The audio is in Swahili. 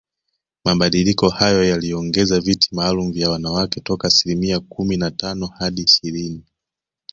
Mabadiliko hayo yaliongeza viti maalum vya wanawake toka asilimia kumi na tano hadi ishirini